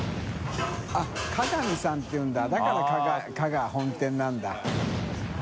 △加賀美さんっていうんだだから「加賀本店」なんだ。